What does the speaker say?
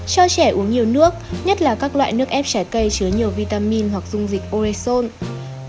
cho trẻ uống nhiều nước nhất là các loại nước ép trái cây chứa nhiều vitamin hoặc dung dịch orezon